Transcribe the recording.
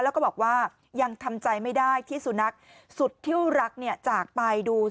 แล้วก็บอกว่ายังทำใจไม่ได้ที่สุนัขสุดที่รักเนี่ยจากไปดูสิ